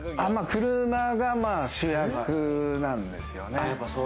車が主役なんですよね。